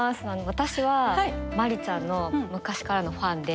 私は真里ちゃんの昔からのファンで。